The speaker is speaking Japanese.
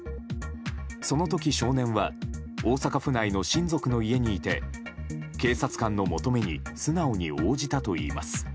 その時、少年は大阪府内の親族の家にいて警察官の求めに素直に応じたといいます。